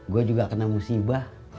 gue juga kena musibah